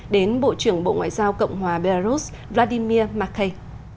đến bộ trưởng bộ ngoại giao cộng hòa belarus vladimir make